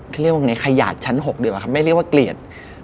เขาเรียกว่าไงขยาดชั้น๖ดีกว่าครับไม่เรียกว่าเกลียด